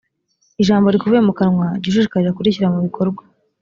ijambo rikuvuye mu kanwa, jya ushishikarira kurishyira mu bikorwa,